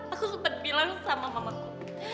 aku sempat bilang sama mamaku